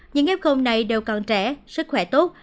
những f này đều còn trẻ sức khỏe tốt